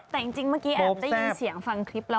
แต่จริงเมื่อกี้แอบได้ยินเสียงฟังคลิปแล้ว